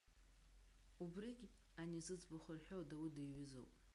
Убрыгь ани зыӡбахә рҳәо адау диҩызоуп.